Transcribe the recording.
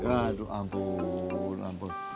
aduh ampun ampun